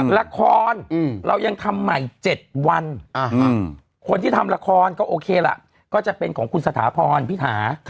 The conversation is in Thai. ละครเรายังทำใหม่๗วันคนที่ทำละครก็โอเคล่ะก็จะเป็นของคุณสถาพรพิธา